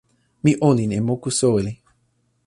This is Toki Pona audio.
mi olin e moku soweli.